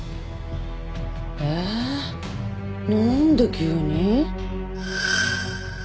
えなんで急に？